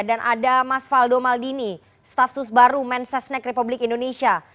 dan ada mas faldo maldini staff sus baru mensesnek republik indonesia